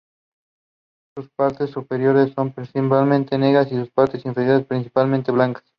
Sus partes superiores son principalmente negras y sus partes inferiores principalmente blancas.